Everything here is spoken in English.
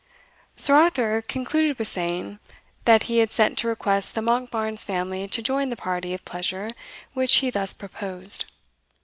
Sir Arthur concluded with saying, that he had sent to request the Monkbarns family to join the party of pleasure which he thus proposed.